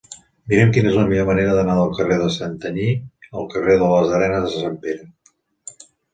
Mira'm quina és la millor manera d'anar del carrer de Santanyí al carrer de les Arenes de Sant Pere.